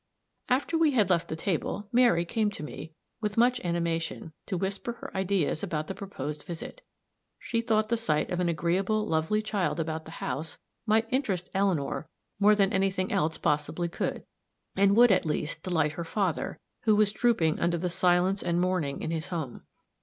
After we had left the table, Mary came to me, with much animation, to whisper her ideas about the proposed visit; she thought the sight of an agreeable, lovely child about the house might interest Eleanor more than any thing else possibly could, and would, at least, delight her father, who was drooping under the silence and mourning in his home.